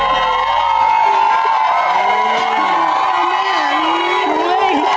พระสู้ห์